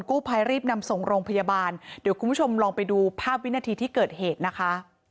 กู้ภัยรีบนำส่งโรงพยาบาลเดี๋ยวคุณผู้ชมลองไปดูภาพวินาทีที่เกิดเหตุนะคะ